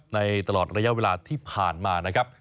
ตลอดระยะเวลาที่ผ่านมานะครับ